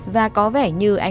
và có vẻ như ăn